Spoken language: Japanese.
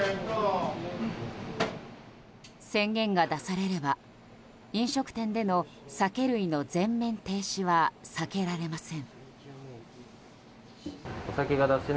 宣言が出されれば飲食店での酒類の全面停止は避けられません。